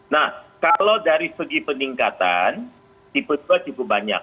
nah kalau dari segi peningkatan tipe dua cukup banyak